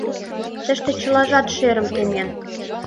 Тыште чылажат шерым темен.